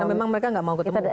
emang mereka gak mau ketemu